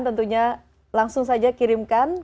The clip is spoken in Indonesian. tentunya langsung saja kirimkan